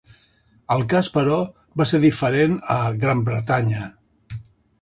El cas, però, va ser diferent a Gran Bretanya.